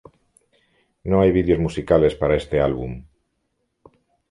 No hay vídeos musicales para este álbum.